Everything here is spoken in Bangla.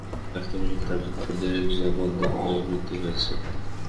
ডাক্তার বললে, তাঁর হৃৎপিণ্ডের ক্রিয়া বন্ধ হয়ে মৃত্যু হয়েছে।